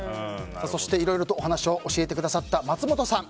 そして、いろいろとお話を教えてくださった松本さん